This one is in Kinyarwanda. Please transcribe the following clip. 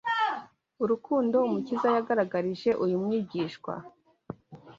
Urukundo Umukiza yagaragarije uyu mwigishwa